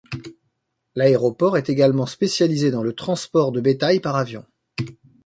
L'aéroport est également spécialisé dans le transport de bétail par avion.